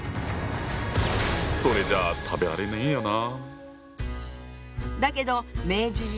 それじゃあ食べられねえよな。